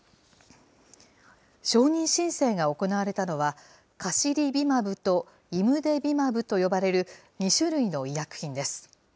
承認申請が行われたのは、カシリビマブとイムデビマブと呼ばれる２種類の医薬品です。